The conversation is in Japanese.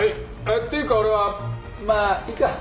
っていうか俺はまあいいか。